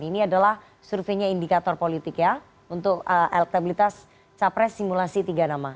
ini adalah surveinya indikator politik ya untuk elektabilitas capres simulasi tiga nama